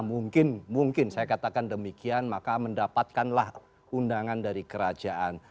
mungkin mungkin saya katakan demikian maka mendapatkanlah undangan dari kerajaan